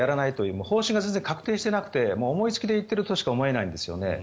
全然方針が確定していなくて思い付きで言っているとしか思えないんですね。